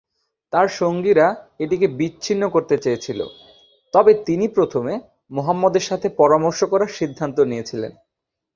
তার সঙ্গীরা এটিকে বিচ্ছিন্ন করতে চেয়েছিল, তবে তিনি প্রথমে মুহাম্মদের সাথে পরামর্শ করার সিদ্ধান্ত নিয়েছিলেন।